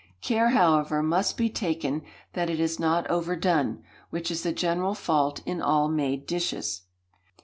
Care, however, must be taken that it is not overdone, which is the general fault in all made dishes.